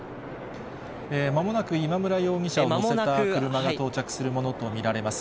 まもなく今村容疑者を乗せた車が到着するものと見られます。